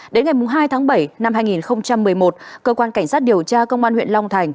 đến ngày hai tháng bảy năm hai nghìn một mươi một cơ quan cảnh sát điều tra công an huyện long thành